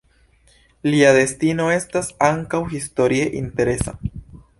Lia destino estas ankaŭ historie interesa.